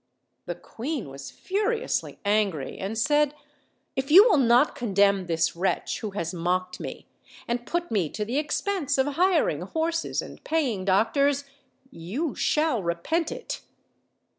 The queen was furiously angry, and said, "If you will not condemn this wretch, who has mocked me > and P ut me to the expense of hiring horses snd paying doctors, you shall repent it."